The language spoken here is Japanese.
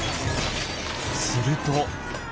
すると。